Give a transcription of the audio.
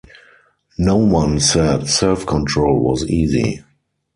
No one said self-control was easy.